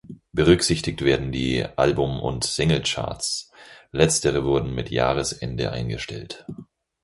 Berücksichtigt werden die Album- und Singlecharts; letztere wurden mit Jahresende eingestellt.